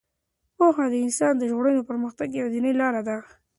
پوهنه د انسانیت د ژغورنې او د پرمختګ یوازینۍ لاره ده.